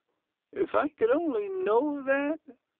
If I could only know that!"